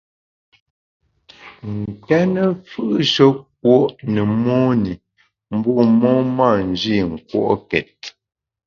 Nkéne mfù’she kùo’ ne mon i, bu mon mâ nji nkùo’ket.